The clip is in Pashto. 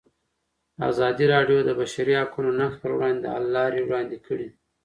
ازادي راډیو د د بشري حقونو نقض پر وړاندې د حل لارې وړاندې کړي.